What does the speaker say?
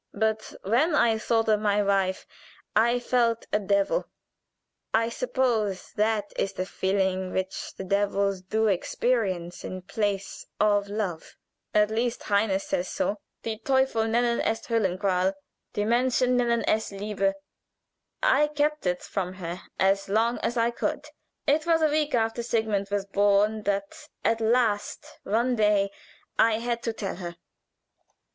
But when I thought of my wife I felt a devil. I suppose that is the feeling which the devils do experience in place of love at least Heine says so: "'Die Teufel nennen es Höllenqual, Die Menschen nennen es Liebe.' "I kept it from her as long as I could. It was a week after Sigmund was born that at last one day I had to tell her.